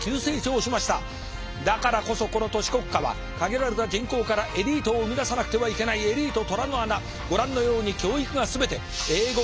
だからこそこの都市国家は限られた人口からエリートを生み出さなくてはいけないエリート虎の穴ご覧のように教育が全て英語は必須であります。